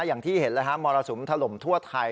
อย่างที่เห็นเลยฮะมรสุมถล่มทั่วไทย